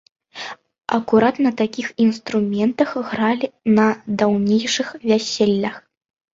Акурат на такіх інструментах гралі на даўнейшых вяселлях.